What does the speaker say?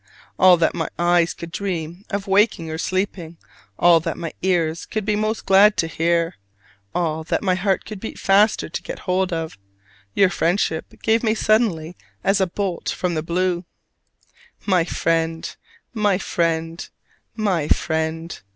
All that my eyes could dream of waking or sleeping, all that my ears could be most glad to hear, all that my heart could beat faster to get hold of your friendship gave me suddenly as a bolt from the blue. My friend, my friend, my friend!